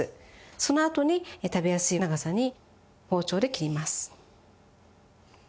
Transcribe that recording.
そのあとに食べやすい長さに包丁で切ります。